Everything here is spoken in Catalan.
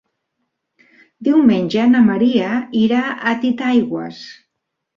Diumenge na Maria irà a Titaigües.